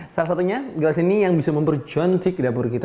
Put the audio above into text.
salah satunya gelas ini yang bisa memperjoncik di dapur kita